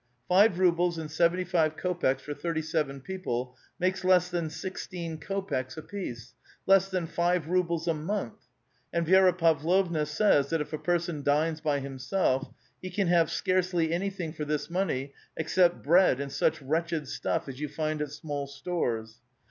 Five rubles and seventy five kopeks for thirty seven people makes less than sixteen kopeks^ apiece, less than five rubles a month. And Vi^ra Pavlovna says that if a person dines by himself, he can have scktooI}^ anything for this money except bread and such wretched stuff as you find at small stores.